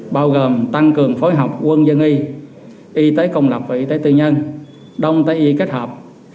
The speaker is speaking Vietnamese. bao gồm tăng cường phối hợp quân dân y tế công lập và y tế tư nhân đông tây y kết hợp